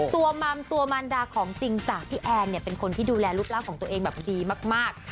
มัมตัวมันดาของจริงจากพี่แอนเนี่ยเป็นคนที่ดูแลรูปร่างของตัวเองแบบดีมาก